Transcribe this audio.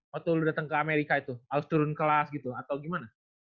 waktu lu datang ke amerika itu harus turun kelas gitu atau gimana